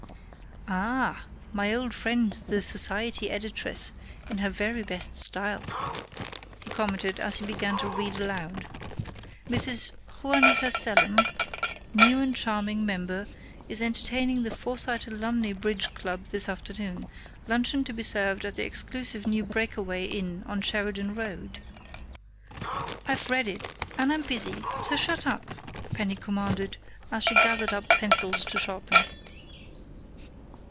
"Ah! My old friend, the 'society editress,' in her very best style," he commented as he began to read aloud: "'Mrs. Juanita Selim, new and charming member, is entertaining the Forsyte Alumnae Bridge Club this afternoon, luncheon to be served at the exclusive new Breakaway Inn on Sheridan Road '" "I've read it and I'm busy, so shut up!" Penny commanded, as she gathered up pencils to sharpen.